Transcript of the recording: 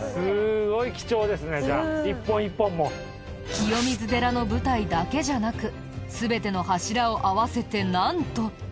清水寺の舞台だけじゃなく全ての柱を合わせてなんと。